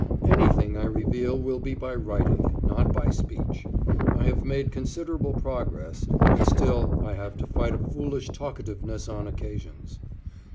Anything I reveal will be by writing, not by speech. I have made considerable progress, but still have to fight a foolish talkativeness on occasions.